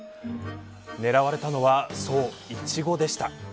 狙われたのはそう、いちごでした。